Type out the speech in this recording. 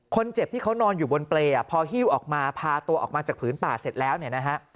คนเจ็บที่เขานอนอยู่บนเปรย์พอหิ้วออกมาพาตัวออกมาจากผืนป่าเสร็จแล้วเนี่ยนะฮะ